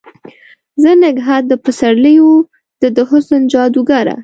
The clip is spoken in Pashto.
زه نګهت د پسر لیو، زه د حسن جادوګره